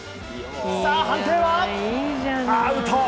判定はアウト！